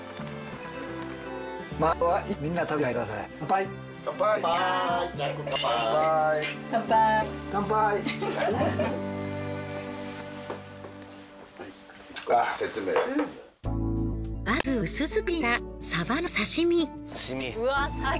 みんな食べて帰ってください。